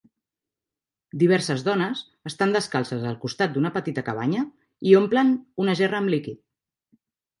Diverses dones estan descalces al costat d'una petita cabanya i omplen una gerra amb líquid.